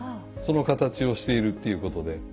その形をしているっていうことで。